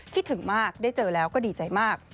คิดถึงมากได้เจอแล้วก็ดีใจมาก